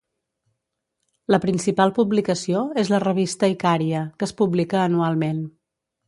La principal publicació és la revista Icària, que es publica anualment.